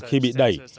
khi bị đẩy